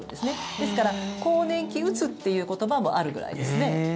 ですから、更年期うつっていう言葉もあるくらいですね。